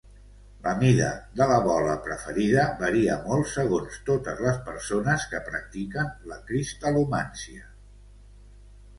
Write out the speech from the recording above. La mida de la bola preferida varia molt segons totes les persones que practiquen la cristal·lomància.